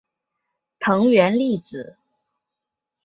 藤原丽子